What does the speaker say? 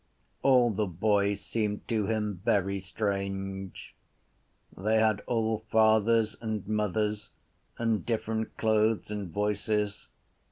All the boys seemed to him very strange. They had all fathers and mothers and different clothes and voices.